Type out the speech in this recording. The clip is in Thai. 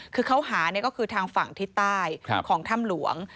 คือเขาหาก็คือทางฝั่งทิศใต้ของถ้ำหลวง